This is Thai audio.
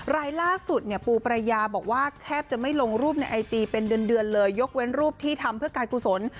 รายล่าสุดเนี่ยปูปรายาบอกว่าแทบจะไม่ลงรูปในไอจีเป็นเดือนเลยยกเว้นรูปที่ทำเพื่อการกุศล